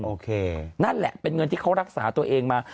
โอเคนั่นแหละเป็นเงินที่เขารักษาตัวเองมา